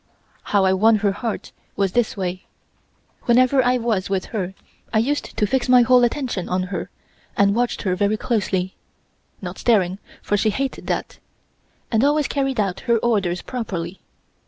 How I won her heart was this way. Whenever I was with her I used to fix my whole attention on her and watched her very closely (not staring, for she hated that) and always carried out her orders properly.